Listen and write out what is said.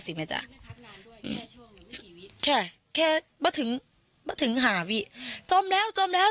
สิมั้ยจ้ะแค่แค่ไม่ถึงไม่ถึงหาวิจมแล้วจมแล้ว